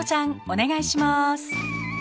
お願いします。